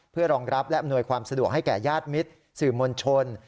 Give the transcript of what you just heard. เพื่อรองรับและอำนวยความสะดวกให้แก่ญาติมิตรสื่อมวลชน